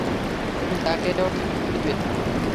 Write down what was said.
তুমি তাকেও মেরে দিবে।